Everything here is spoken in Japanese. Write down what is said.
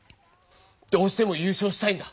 どうしても優勝したいんだ！